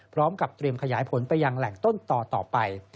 พร้อมกับเตรียมขยายผลไปยังแหล่งต้นต่อต่อไป